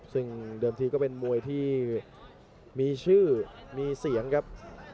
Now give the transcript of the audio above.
ซึ่งเดิมทีก็เป็นมวยที่มีชื่อมีเสียงครับ